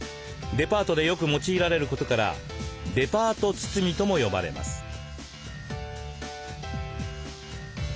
デパートでよく用いられることから「デパート包み」とも呼ばれます。